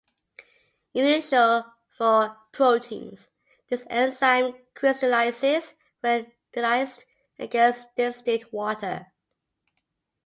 Unusual for proteins, this enzyme crystallizes when dialysed against distilled water.